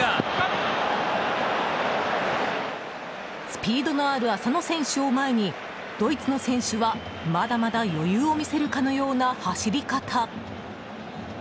スピードのある浅野選手を前にドイツの選手は、まだまだ余裕を見せるかのような走り方。